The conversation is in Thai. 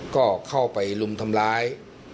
ก็เข้าไปลุมทำร้าย